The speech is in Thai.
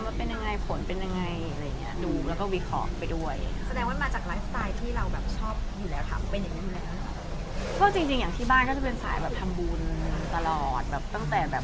แล้วก็ทำแล้วได้ไหมที่นี่ทำก็เป็นยังไง